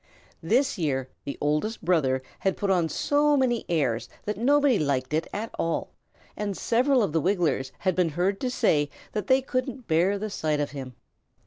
This year the Oldest Brother had put on so many airs that nobody liked it at all, and several of the Wigglers had been heard to say that they couldn't bear the sight of him.